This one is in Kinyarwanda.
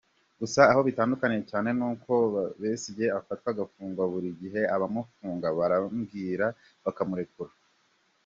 Gusa aho bitandukaniye cyane n’uko Besigye afatwa agafungwa buri gihe, abamufunga barambirwa bakamurekura.